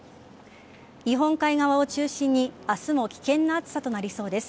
日本海側を中心に明日も危険な暑さとなりそうです。